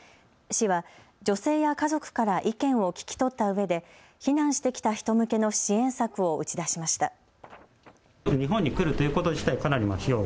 市は女性や家族から意見を聞き取ったうえで避難してきた人向けの支援策を打ち出しました。